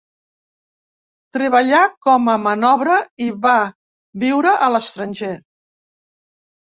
Treballà com a manobre i va viure a l'estranger.